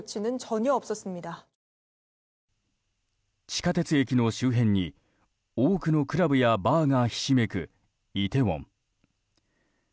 地下鉄駅の周辺に多くのクラブやバーがひしめくイテウォン。